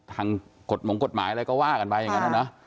ทางกฎหมายอะไรก็ว่ากันไปอย่างนั้นนะ